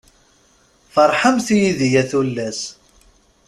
Ferḥemt yid-i a tullas.